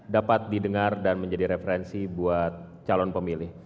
dapat didengar dan menjadi referensi buat calon pemilih